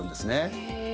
へえ。